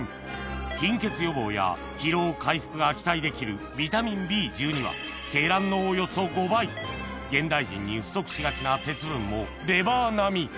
貧血予防や疲労回復が期待できるビタミンＢ１２は鶏卵のおよそ５倍現代人に不足しがちな鉄分もレバー並み！